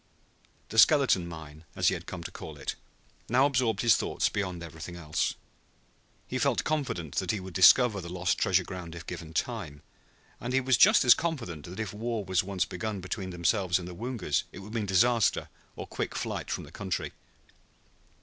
The "Skeleton Mine," as he had come to call it, now absorbed his thoughts beyond everything else. He felt confident that he would discover the lost treasure ground if given time, and he was just as confident that if war was once begun between themselves and the Woongas it would mean disaster or quick flight from the country.